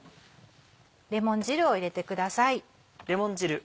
レモン汁を入れてください。